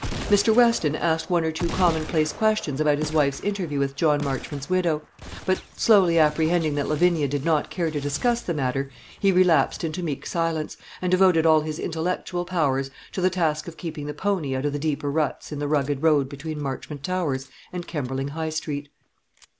Mr. Weston asked one or two commonplace questions about his wife's interview with John Marchmont's widow; but, slowly apprehending that Lavinia did not care to discuss the matter, he relapsed into meek silence, and devoted all his intellectual powers to the task of keeping the pony out of the deeper ruts in the rugged road between Marchmont Towers and Kemberling High Street.